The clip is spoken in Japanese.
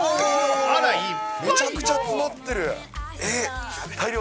めちゃくちゃ詰まってる。